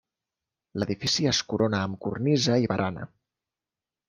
L'edifici es corona amb cornisa i barana.